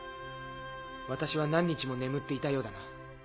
私は何日も眠っていたようだな。